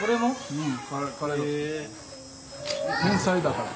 うん。